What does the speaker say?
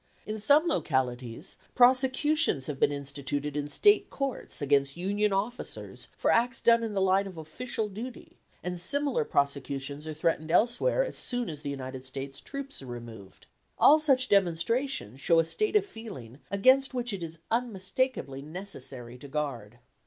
In some localities prosecutions have been instituted in State courts against Union officers for acts done in the line of official duty, and similar prosecutions are threatened elsewhere as soon as the United States troops are removed. All such demonstrations show a state of feeling against which it is unmistakably necessary to guard.